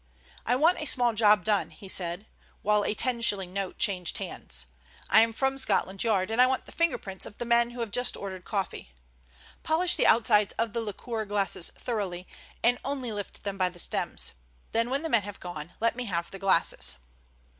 "I want a small job done," he said, while a ten shilling note changed hands. "I am from Scotland Yard, and I want the finger prints of the men who have just ordered coffee. Polish the outsides of the liqueur glasses thoroughly, and only lift them by the stems. Then when the men have gone let me have the glasses."